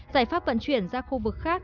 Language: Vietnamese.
giải pháp vận chuyển ra khu vực khác